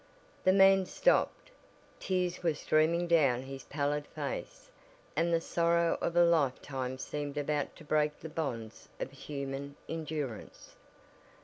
The man stopped. Tears were streaming down his pallid face and the sorrow of a lifetime seemed about to break the bonds of human endurance.